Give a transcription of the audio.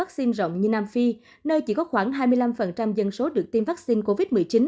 xin rộng như nam phi nơi chỉ có khoảng hai mươi năm dân số được tiêm vaccine covid một mươi chín